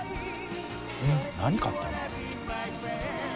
買ったの？